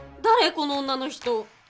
この女の人。